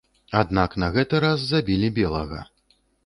Аднак на гэты раз забілі белага.